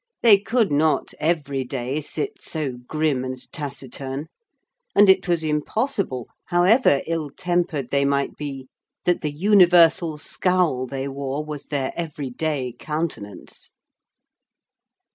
They could not every day sit so grim and taciturn; and it was impossible, however ill tempered they might be, that the universal scowl they wore was their every day countenance.